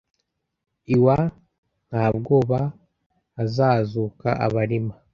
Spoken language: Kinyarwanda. iwa ntabwoba hazazuka abarima.